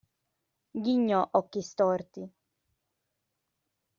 Ghignò Occhistorti.